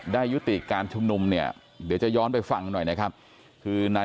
ยุติการชุมนุมเนี่ยเดี๋ยวจะย้อนไปฟังหน่อยนะครับคือนาย